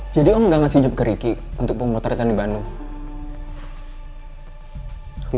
jadi om gak ngasih job ke riki untuk pemotretan di bandung